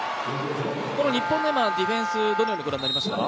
日本のディフェンスどのようにご覧になりますか？